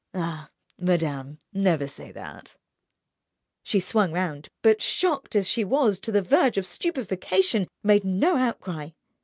"Ah, madame, never say that!" She swung round but, shocked as she was to the verge of stupefaction, made no outcry.